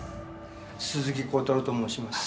鈴木康太郎と申します。